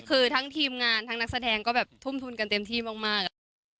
คือทั้งทีมงานทั้งนักแสดงก็แบบทุ่มทุนกันเต็มที่มากอะค่ะ